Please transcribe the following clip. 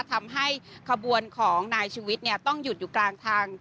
ทำให้ขบวนของนายชีวิตต้องหยุดอยู่กลางทาง